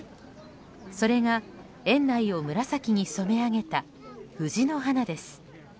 それが園内を紫に染め上げた藤の花です。